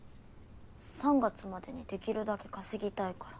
３月までにできるだけ稼ぎたいから。